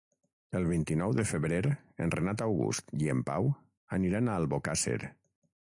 El vint-i-nou de febrer en Renat August i en Pau aniran a Albocàsser.